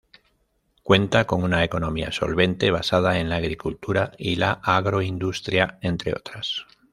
Cuenta con una economía solvente, basada en la agricultura y la agroindustria, entre otras.